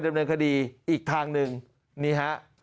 ดำเนินคดีอีกทางหนึ่งนี่ฮะ